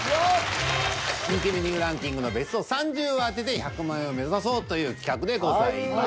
人気メニューランキングのベスト３０を当てて１００万円を目指そうという企画でございます。